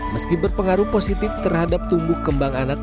meski berpengaruh positif terhadap tumbuh kembang anak